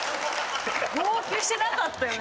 号泣してなかったよね？